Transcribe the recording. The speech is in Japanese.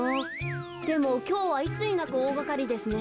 でもきょうはいつになくおおがかりですね。